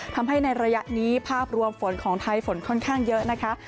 ทำให้ในระยะนี้ภาพรวมฝนของไทยฝนค่อนข้างเยอะนะคะ